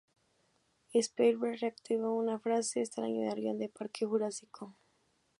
Spielberg retuvo esta frase y la añadió al guion de "Parque Jurásico".